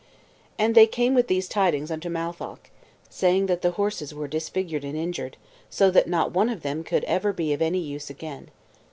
And they came with these tidings unto Matholch, saying that the horses were disfigured and injured, so that not one of them could ever be of any use again.